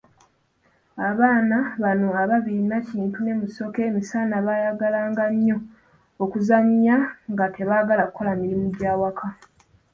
Abaana bano ababiri Nakintu ne Musoke, emisana baayagala nga nnyo okuzanya nga tebagala kukola mirimu gy'awaka.